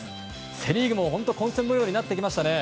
セ・リーグも本当に混戦模様になってきましたね。